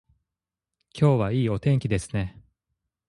今日はいいお天気ですね